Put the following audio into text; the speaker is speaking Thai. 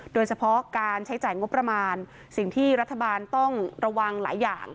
โดยเฉพาะการใช้จ่ายงบประมาณสิ่งที่รัฐบาลต้องระวังหลายอย่าง